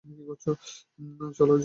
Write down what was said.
চল জয় আরিফ!